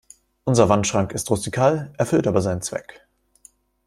Unser Wandschrank ist rustikal, erfüllt aber seinen Zweck.